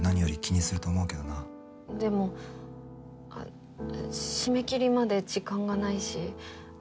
でも締め切りまで時間がないし。